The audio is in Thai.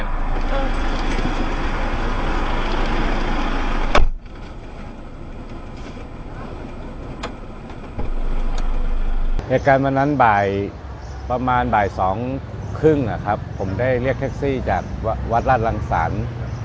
ในการวันนั้นประมาณบ่ายสองครึ่งผมได้เรียกแท็กซี่จากวัดราชรังสรรค์